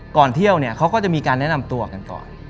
ก่อนเที่ยวเนี่ยเขาก็จะมีการแนะนำตัวกันก่อน